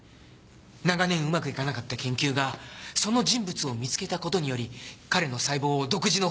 長年うまくいかなかった研究がその人物を見つけた事により彼の細胞を独自の方法で。